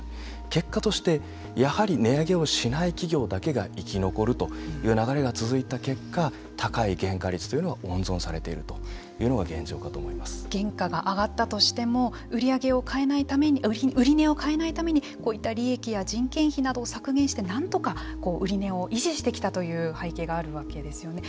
結果としてやはり値上げをしない企業だけが生き残るという流れが続いた結果高い原価率というのが温存されている原価が上がったとしても売値を変えないためにこういった利益や人件費などを削減してなんとか売値を維持してきたという背景があるわけですよね。